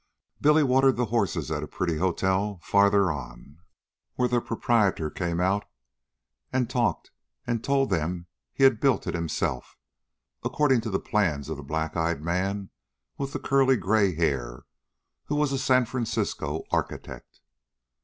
Billy watered the horses at a pretty hotel farther on, where the proprietor came out and talked and told him he had built it himself, according to the plans of the black eyed man with the curly gray hair, who was a San Francisco architect.